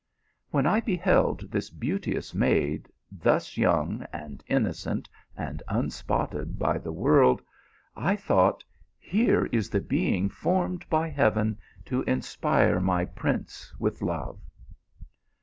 When I beheld this beauteous maid thus young, and innocent, and unspotted by the world, I thought, here is the being formed by heaven to inspire my prince with love."